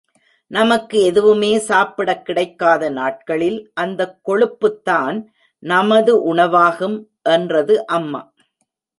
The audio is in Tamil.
நமக்கு எதுவுமே சாப்பிடக் கிடைக்காத நாட்களில் அந்தக் கொழுப்புத்தான் நமது உணவாகும் என்றது அம்மா.